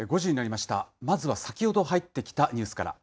まずは先ほど入ってきたニュースから。